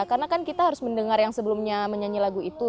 karena kan kita harus mendengar yang sebelumnya menyanyi lagu itu